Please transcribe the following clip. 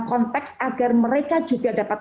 konteks agar mereka juga dapat